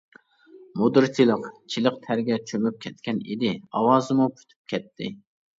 مۇدىر چىلىق-چىلىق تەرگە چۆمۈپ كەتكەن ئىدى، ئاۋازىمۇ پۈتۈپ كەتتى.